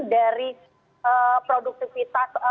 dari produktivitas keusahaan